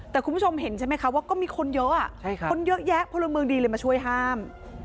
แต่คุณผู้ชมเห็นใช่ไหมคะว่าก็มีคนเยอะคนเยอะแยะพลเมืองดีเลยมาช่วยห้าม